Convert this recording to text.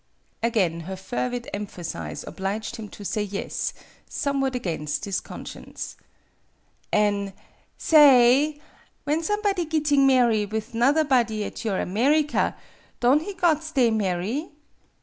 Again her fervid emphasis obliged him to say yes, somewhat against his conscience. '' An' sa ay f When somebody gitting marry with 'nother body at your America, don' he got stay, marry